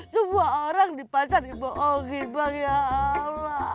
semua orang di pasar dibohongin bang ya allah